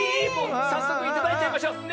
さっそくいただいちゃいましょ。ね！